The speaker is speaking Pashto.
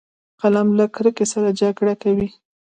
قلم له کرکې سره جګړه کوي